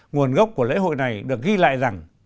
nguồn gốc của lễ hội này được ghi lại rằng